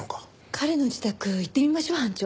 彼の自宅行ってみましょう班長。